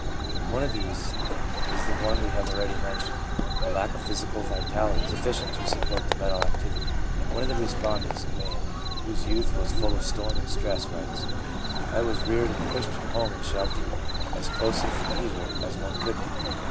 One of these is the one we have already mentioned — a lack of physical vitality sufficient to support the mental activity. One of the respondents, a man whose youth was full of storm and stress, writes :' I was reared in a Christian home and sheltered as closely from evil as one could be.